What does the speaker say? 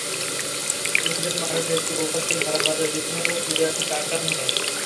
তিনজন মানুষ একটু ওপাশেই ঝরাপাতার বিছানার ওপরে শুয়ে আছে টানটান হয়ে।